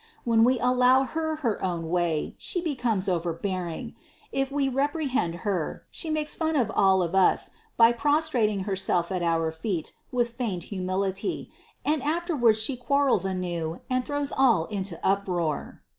When we allow Her her own way, She becomes overbearing; if we reprehend Her, She makes fun of all of us by pros trating Herself at our feet with feigned humility, and afterwards She quarrels anew and throws all into up roar."